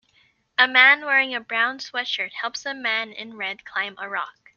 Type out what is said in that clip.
A man wearing a brown sweatshirt helps a man in red climb a rock.